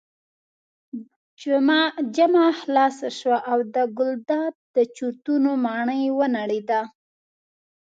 جمعه خلاصه شوه او د ګلداد د چورتونو ماڼۍ ونړېده.